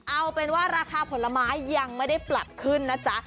เอาเป็นว่าราคาผลไม้ยังไม่ได้ปรับขึ้นนะจ๊ะ